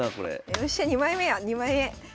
よっしゃ２枚目や２枚目！